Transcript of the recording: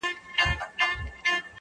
خو دې زما د مرگ د اوازې پر بنسټ.